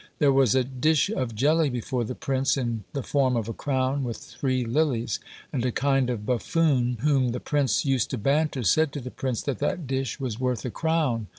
There was a dish of jelly before the prince, in the form of a crown, with three lilies; and a kind of buffoon, whom the prince used to banter, said to the prince that that dish was worth a crown.